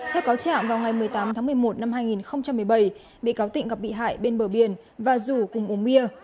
theo cáo trạng vào ngày một mươi tám tháng một mươi một năm hai nghìn một mươi bảy bị cáo tịnh gặp bị hại bên bờ biển và rủ cùng uống bia